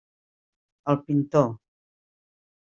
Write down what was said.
El pintor.